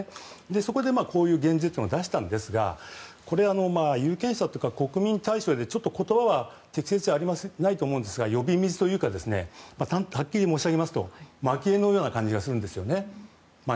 そこでこういう減税を出したんですがこれは有権者とか国民対象で言葉が適切ではないと思うんですが呼び水といいますかはっきり申し上げますとまき餌のような感じがするんですね。